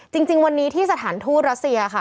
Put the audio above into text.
จริงวันนี้ที่สถานทูตรัสเซียค่ะ